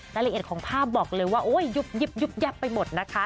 รายละเอียดของภาพบอกเลยว่าโอ้ยยุบยับไปหมดนะคะ